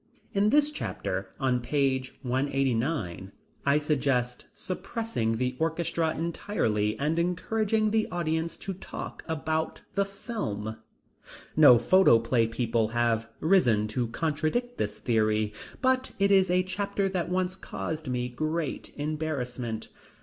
In this chapter, on page 189, I suggest suppressing the orchestra entirely and encouraging the audience to talk about the film. No photoplay people have risen to contradict this theory, but it is a chapter that once caused me great embarrassment.